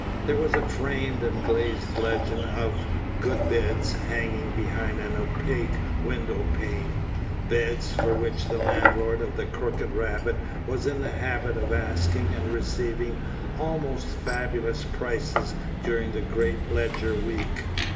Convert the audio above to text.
There was a framed and glazed legend of "good beds" hanging behind an opaque window pane beds for which the landlord of the "Crooked Rabbit" was in the habit of asking and receiving almost fabulous prices during the great Leger week.